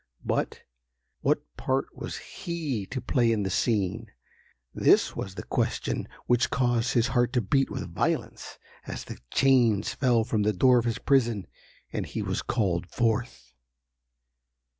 But, what part was he to play in the scene? This was the question which caused his heart to beat with violence, as the chains fell from the door of his prison, and he was called forth.